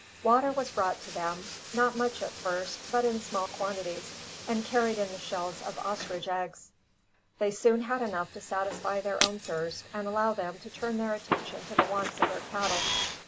Water was brought to them. Not much at first, but in small quantities, and carried in the shells of ostrich eggs. They soon had enough to satisfy their own thirst and allow them to turn their attention to the wants of their cattle.